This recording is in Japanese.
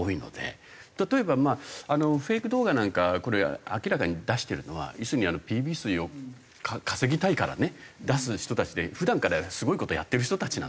例えばまあフェイク動画なんかこれ明らかに出してるのは要するにＰＶ数を稼ぎたいからね出す人たちで普段からすごい事をやってる人たちなんですよ